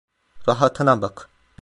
Rahatına bak.